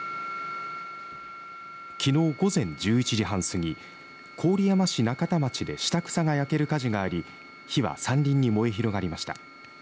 きのう午前１１時半すぎ郡山市中田町で下草が焼ける火事があり火は山林に燃え広がりました。